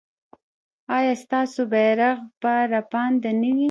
ایا ستاسو بیرغ به رپانده نه وي؟